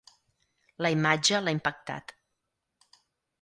La imatge l'ha impactat.